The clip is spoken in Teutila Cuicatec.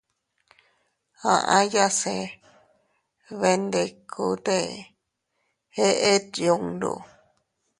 Aʼyase bendikute eʼet yundu.